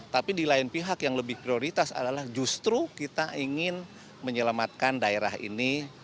tapi di lain pihak yang lebih prioritas adalah justru kita ingin menyelamatkan daerah ini